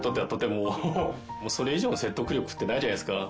もうそれ以上の説得力ってないじゃないですか。